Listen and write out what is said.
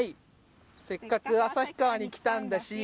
「せっかく旭川に来たんだし」